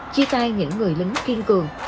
chia tay những người lính kiên cường